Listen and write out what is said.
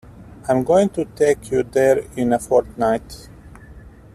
I'm going to take you there in a fortnight.